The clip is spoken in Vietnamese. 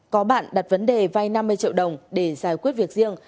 có bạn đặt vấn đề vay năm mươi triệu đồng để giải quyết việc riêng